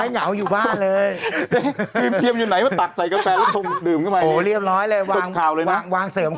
โหเรียบร้อยเลยวางเสริมข้างกาแฟ